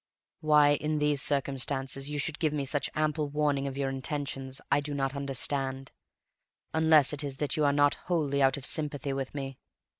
Why, in these circumstances, you should give me such ample warning of your intentions I do not understand, unless it is that you are not wholly out of sympathy with me.